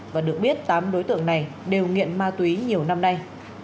và được biết tám đối tượng này đều nghiện ma túy nhiều năm nay